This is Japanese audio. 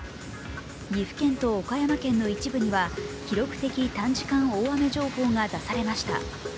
岐阜県と岡山県の一部には記録的短時間大雨情報が出されました。